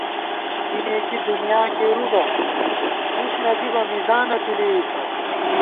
کی نېکی دُنیا کېرُو بہ، فُس نہ دِبہ مِزانہ تُو لېئیسہ